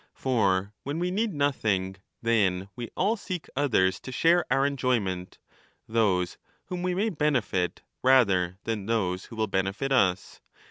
For when we need nothing, then we all seek others to share our enjoyment, those whom we may benefit rather than those who will benefit us.